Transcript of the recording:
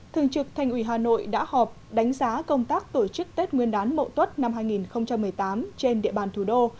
thường trực thành ủy hà nội đã họp đánh giá công tác tổ chức tết nguyên đán mậu tuất năm hai nghìn một mươi tám trên địa bàn thủ đô